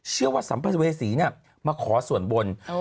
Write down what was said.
เชื่อว่าสัมภัยเวสีมาขอส่วนบน